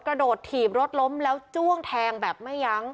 กระโดดถีบรถล้มแล้วจ้วงแทงแบบไม่ยั้ง